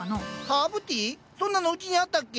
そんなのうちにあったっけ？